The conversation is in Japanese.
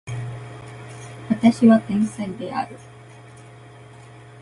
私は天才である